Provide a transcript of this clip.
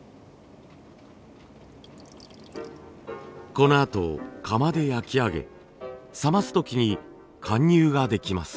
このあと窯で焼き上げ冷ます時に貫入ができます。